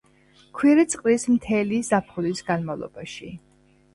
ქვირითს ყრის მთელი ზაფხულის განმავლობაში.